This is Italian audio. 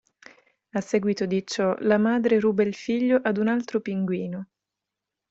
A seguito di ciò, la madre ruba il figlio ad un altro pinguino.